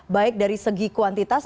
baik dari segi kuantitas